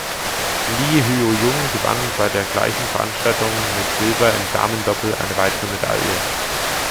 Lee Hyo-jung gewann bei der gleichen Veranstaltung mit Silber im Damendoppel eine weitere Medaille.